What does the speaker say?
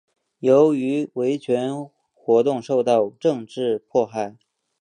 由于维权活动受到政治迫害。